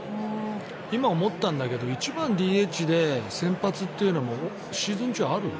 今思ったんだけど１番ＤＨで先発っていうのもシーズン中ある？